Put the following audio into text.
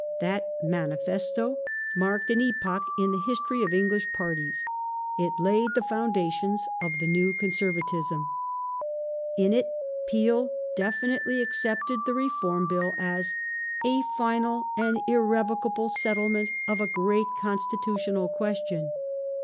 That manifesto .^,. i i •/• t . i i manifesto marked an epoch m the history or Lnghsh parties ; it laid the foundations of the n^w CoiiseryatJaiB, In it Peel definitely accepted the Reform Bill as " affinal and irrevocable settlement of a great constitutional j^esHon